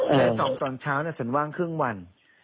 และ๒ตอนเช้าฉันว่างครึ่งวัน